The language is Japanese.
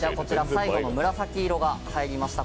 最後の紫色が入りました。